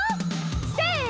せの。